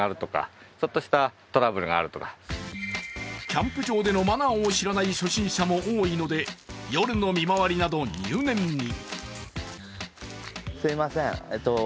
キャンプ場でのマナーを知らない初心者も多いので夜の見回りなど入念に。